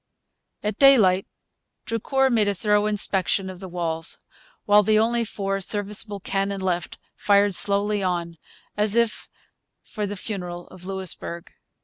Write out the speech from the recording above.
At daylight Drucour made a thorough inspection of the walls, while the only four serviceable cannon left fired slowly on, as if for the funeral of Louisbourg.